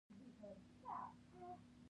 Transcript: له هوا او اوبو څخه ډیره ګټوره استفاده وشوه.